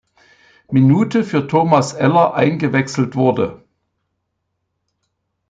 Minute für Thomas Eller eingewechselt wurde.